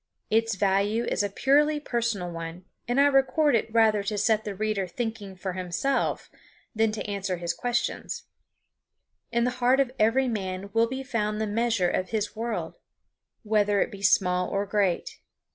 Its value is a purely personal one, and I record it rather to set the reader thinking for himself than to answer his questions. In the heart of every man will be found the measure of his world, whether it be small or great.